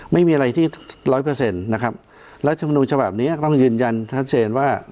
ไม่มีอะไรที่ร้อยเปอร์เซ็นต์นะครับรัฐมนุนฉบับนี้ต้องยืนยันชัดเจนว่า